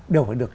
đều phải được